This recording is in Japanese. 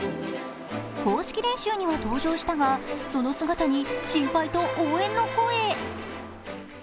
公式練習には登場したが、その姿に心配と応援の声。